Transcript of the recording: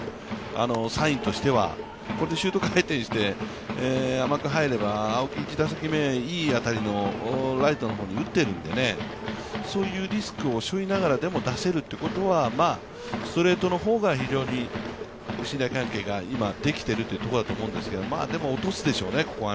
サインとしてはこれでシュート回転にして、甘く入れば青木、１打席目、いい当たりをライトの方に打っているんでね、そういうリスクを背負いながらでも出せるということはストレートの方が、非常に信頼関係ができているというところだと思うんですけどまあでも、落とすでしょうね、ここは。